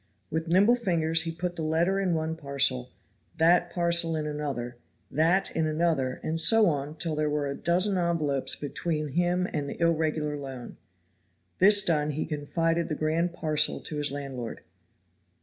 With nimble fingers he put the letter in one parcel, that parcel in another, that in another, and so on till there were a dozen envelopes between him and the irregular loan. This done he confided the grand parcel to his landlord.